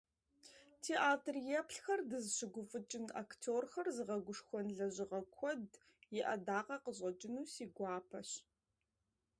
Театреплъхэр дызыщыгуфӏыкӏын, актёрхэр зыгъэгушхуэн лэжьыгъэ куэд и ӏэдакъэ къыщӏэкӏыну си гуапэщ.